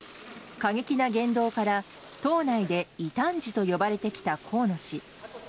過激な言動から、党内で異端児と呼ばれてきた河野氏。